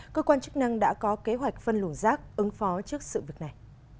cơ quan chức năng đã có kế hoạch phân luồng rác ứng phó trước sự việc này